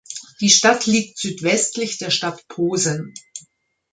Die Stadt liegt südwestlich der Stadt Posen.